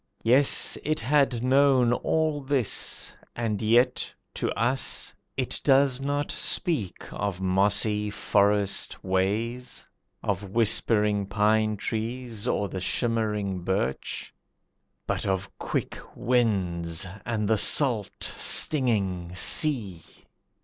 Yes, it had known all this, and yet to us It does not speak of mossy forest ways, Of whispering pine trees or the shimmering birch; But of quick winds, and the salt, stinging sea!